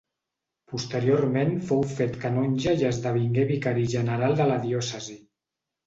Posteriorment fou fet canonge i esdevingué vicari general de la diòcesi.